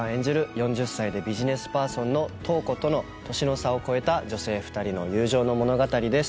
４０歳でビジネスパーソンの瞳子との年の差を超えた女性２人の友情の物語です